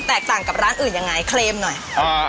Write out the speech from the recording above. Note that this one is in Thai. ต่างกับร้านอื่นยังไงเคลมหน่อยอ่า